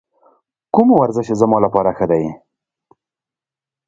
کوم ورزش زما لپاره ښه دی؟